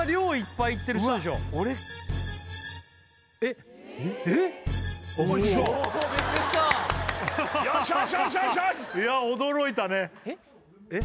いや驚いたねえっ？